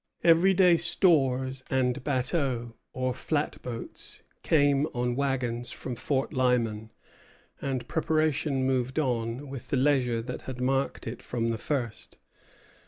Every day stores and bateaux, or flat boats, came on wagons from Fort Lyman; and preparation moved on with the leisure that had marked it from the first.